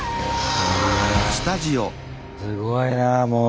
すごいなもう。